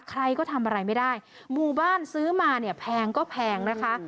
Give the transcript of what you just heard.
ใครก็ทำอะไรไม่ได้หมู่บ้านซื้อมาเนี่ยแพงก็แพงนะคะ